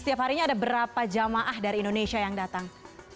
setiap harinya ada berapa jamaah dari indonesia yang datang